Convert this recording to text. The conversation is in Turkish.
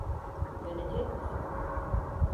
Dönecek misin?